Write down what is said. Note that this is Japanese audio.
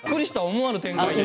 思わぬ展開で。